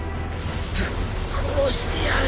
ぶっ殺してやる。